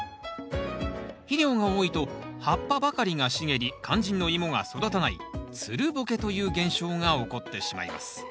肥料が多いと葉っぱばかりが茂り肝心のイモが育たないつるボケという現象が起こってしまいます。